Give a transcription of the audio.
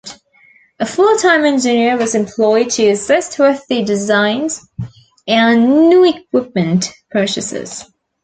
A full-time engineer was employed to assist with the designs and new equipment purchases.